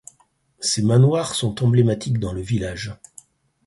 Ces manoirs sont emblématiques dans le village.